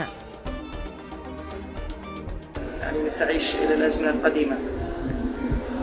saya mengucapkan salam kepada tuhan